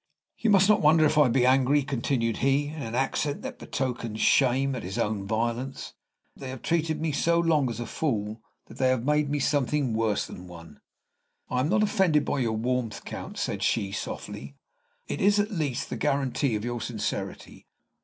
"You must not wonder if I be angry," continued he, in an accent that betokened shame at his own violence. "They have treated me so long as a fool that they have made me something worse than one." "I am not offended by your warmth, Count," said she, softly. "It is at least the guarantee of your sincerity.